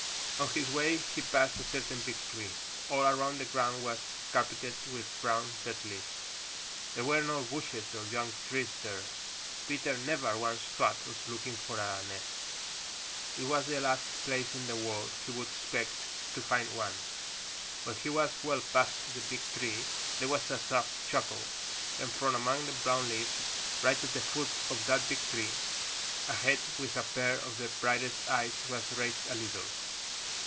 On his way he passed a certain big tree. All around the ground was carpeted with brown, dead leaves. There were no bushes or young trees there. Peter never once thought of looking for a nest. It was the last place in the world he would expect to find one. When he was well past the big tree there was a soft chuckle and from among the brown leaves right at the foot of that big tree a head with a pair of the brightest eyes was raised a little.